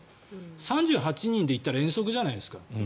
３８人で行ったら遠足じゃないですか。